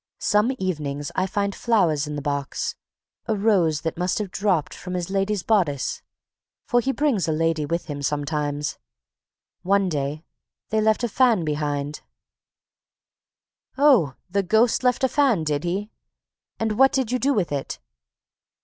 Some evenings, I find flowers in the box, a rose that must have dropped from his lady's bodice ... for he brings a lady with him sometimes; one day, they left a fan behind them." "Oh, the ghost left a fan, did he? And what did you do with it?"